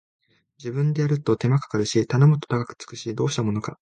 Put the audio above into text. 自分でやると手間かかるし頼むと高くつくし、どうしたものか